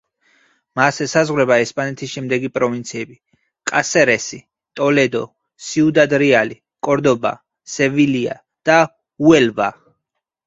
მას ესაზღვრება ესპანეთის შემდეგი პროვინციები: კასერესი, ტოლედო, სიუდად რეალი, კორდობა, სევილია და უელვა.